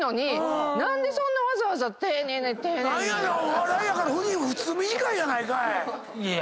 お笑いやから振り普通短いやないかい。